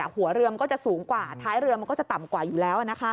หัวเรือมันก็จะสูงกว่าท้ายเรือมันก็จะต่ำกว่าอยู่แล้ว